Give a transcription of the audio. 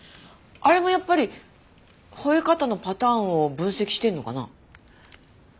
あれもやっぱり吠え方のパターンを分析してるのかな？